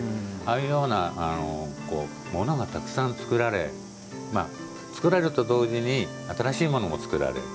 ああいうようなものがたくさん作られ作られると同時に新しいものも作られる。